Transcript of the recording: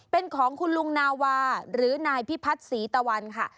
เป็นของคุณลุงนาวาหรือนายพิพัฒน์ศรีตะวันค่ะ